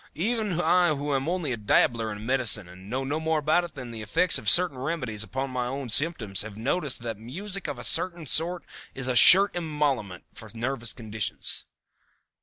Even I who am only a dabbler in medicine, and know no more about it than the effects of certain remedies upon my own symptoms, have noticed that music of a certain sort is a sure emollient for nervous conditions."